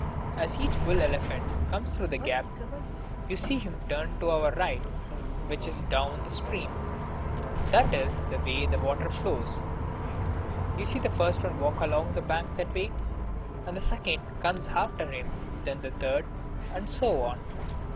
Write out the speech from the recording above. As each bull elephant comes through the gap, you see him turn to our right, which is down the stream that is, the way the water flows. You see the first one walk along the bank that way, and the second comes after him, then the third, and so on.